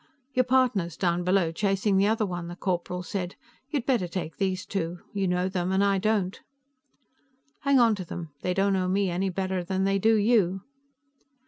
"Your partner's down below, chasing the other one," the corporal said. "You better take these too; you know them and I don't." "Hang onto them; they don't know me any better than they do you."